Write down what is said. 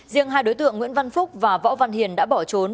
riêng hai đối tượng nguyễn văn phúc và võ văn hiền đã bỏ trốn